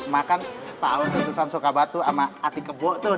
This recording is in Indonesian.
makan pak untuk susan sokabatu sama ati kebo tuh